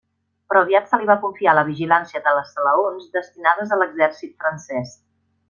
Però aviat se li va confiar la vigilància de les salaons destinades a l'exèrcit francès.